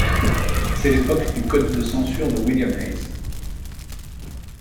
C'est l'époque du code de censure de William Hays.